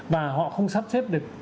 và họ không sắp xếp được